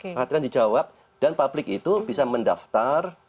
perhatian dijawab dan publik itu bisa mendaftar